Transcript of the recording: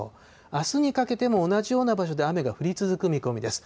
あすにかけても同じような場所で雨が降り続く見込みです。